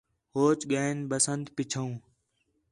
پوچ ڳئین بسنت پِچّھو